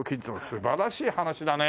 素晴らしい話だね！